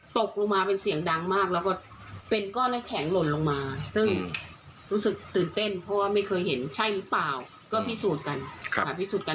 ตกลงมาเป็นเสียงดังมากแล้วก็เป็นก้อนน้ำแข็งหล่นลงมาซึ่งรู้สึกตื่นเต้นเพราะว่าไม่เคยเห็นใช่หรือเปล่าก็พิสูจน์กันค่ะพิสูจน์กัน